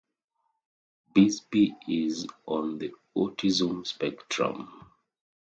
Bixby is on the autism spectrum.